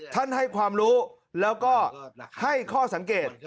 ให้ความรู้แล้วก็ให้ข้อสังเกต